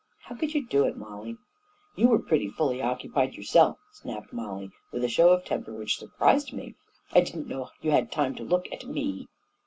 How could you do it, Mollie?" "You were pretty fully occupied yourself," snapped Mollie, with a show of temper which sur prised me. " I didn't know you had time to look at me!"